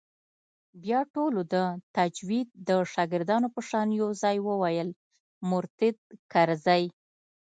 بيا ټولو د تجويد د شاگردانو په شان يو ځايي وويل مرتد کرزى.